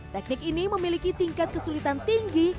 teknik ini memiliki tingkat kesulitan tinggi